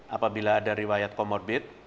apabila ada riwayat komorbid